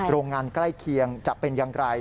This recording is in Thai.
โรงงานใกล้เคียงจะเป็นอย่างไร